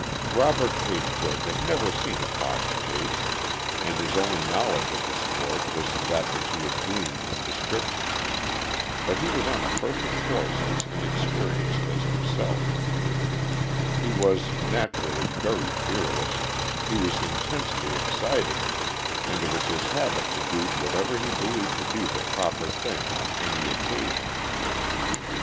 Robert Pagebrook had never seen a fox chase, and his only knowledge of the sport was that which he had gleaned from descriptions, but he was on a perfect horse as inexperienced as himself; he was naturally very fearless; he was intensely excited, and it was his habit to do whatever he believed to be the proper thing on any occasion.